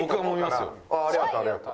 ありがとうありがとう。